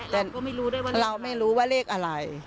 แต่เราไม่รู้ว่าเลขอะไร